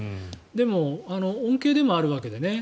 でも恩恵でもあるわけで。